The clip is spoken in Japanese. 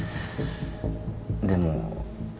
でも。